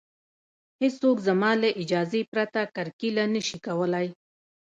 هېڅوک زما له اجازې پرته کرکیله نشي کولی